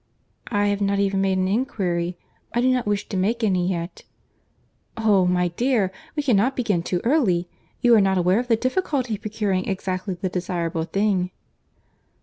"I have not even made any inquiry; I do not wish to make any yet." "Oh! my dear, we cannot begin too early; you are not aware of the difficulty of procuring exactly the desirable thing."